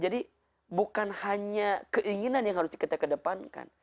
jadi bukan hanya keinginan yang harus kita kedepankan